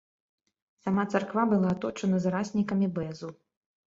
Сама царква была аточана зараснікамі бэзу.